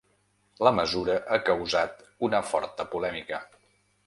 La mesura ha causat una forta polèmica.